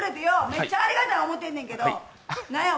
めっちゃありがたい思ってんねんけどよ